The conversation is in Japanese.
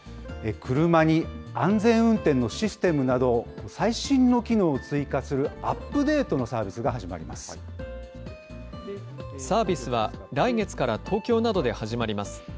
車に安全運転のシステムなど、最新の機能を追加するアップデートサービスは、来月から東京などで始まります。